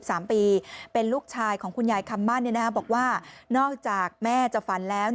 สามปีเป็นลูกชายของคุณยายคำมั่นบอกว่านอกจากแม่จะฝันแล้ว